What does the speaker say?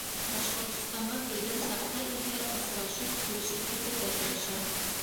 Башҡортостанға килгән саҡта иһә осрашып, күрешеп китергә тырышам.